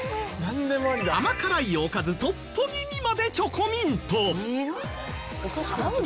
甘辛いおかずトッポギにまでチョコミント！